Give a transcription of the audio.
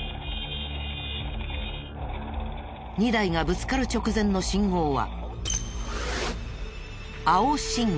２台がぶつかる直前の信号は。